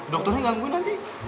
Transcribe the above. dokternya gangguin nanti